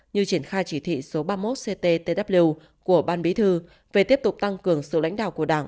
như triển khai chỉ thị số ba mươi một cttw của ban bí thư về tiếp tục tăng cường sự lãnh đạo của đảng